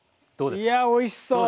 いやおいしそう。